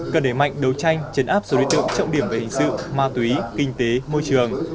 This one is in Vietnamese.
cần để mạnh đấu tranh chấn áp số đối tượng trọng điểm về hình sự ma túy kinh tế môi trường